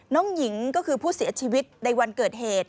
น้องหญิงก็คือผู้เสียชีวิตในวันเกิดเหตุ